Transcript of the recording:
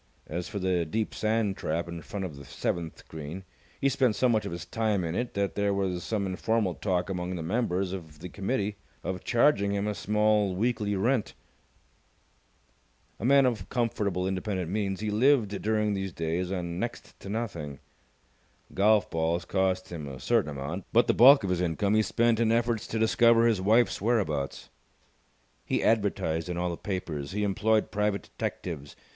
As for the deep sand trap in front of the seventh green, he spent so much of his time in it that there was some informal talk among the members of the committee of charging him a small weekly rent. A man of comfortable independent means, he lived during these days on next to nothing. Golf balls cost him a certain amount, but the bulk of his income he spent in efforts to discover his wife's whereabouts. He advertised in all the papers. He employed private detectives.